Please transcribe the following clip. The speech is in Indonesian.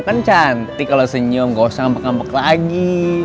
kan cantik kalau senyum gak usah ngambek ngambek lagi